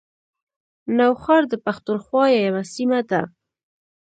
نوښار د پښتونخوا یوه سیمه ده